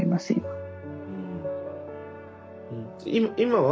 今は？